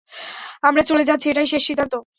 আমরা চলে যাচ্ছি এটাই শেষ সিদ্ধান্ত!